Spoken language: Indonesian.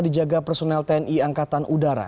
dijaga personel tni angkatan udara